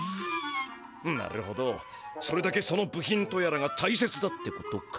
なるほどそれだけその部品とやらが大切だってことか。